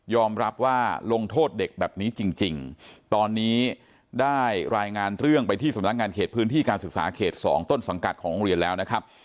รับว่าลงโทษเด็กแบบนี้จริงตอนนี้ได้รายงานเรื่องไปที่สำนักงานเขตพื้นที่การศึกษาเขต๒ต้นสังกัดของโรงเรียนแล้วนะครับ